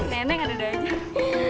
neneng ada doanya